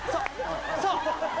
そう！